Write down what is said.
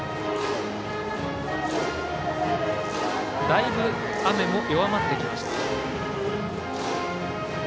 だいぶ雨も弱まってきました。